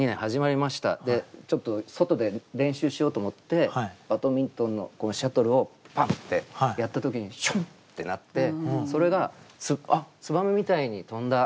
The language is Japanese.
ちょっと外で練習しようと思ってバドミントンのシャトルをパンッてやった時にシュンッてなってそれが燕みたいに飛んだ。